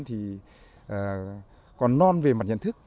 thì còn non về mặt nhận thức